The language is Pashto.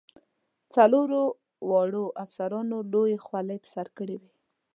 څلورو واړو افسرانو لویې خولۍ په سر کړې وې.